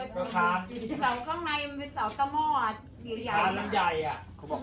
ก็อยู่อยู่นี้แหละถึงก็ออก